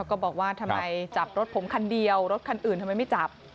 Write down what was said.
ก็บอกว่าทำไมจับรถผมคันเดียวรถคันอื่นทำไมไม่จับ